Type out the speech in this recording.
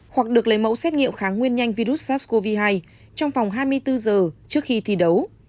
hoặc được lấy mẫu xét nghiệm kháng nguyên nhanh virus sars cov hai trong vòng hai mươi bốn giờ trước khi thi đấu